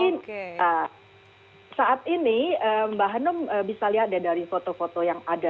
nah saat ini mbak hanum bisa lihat deh dari foto foto yang ada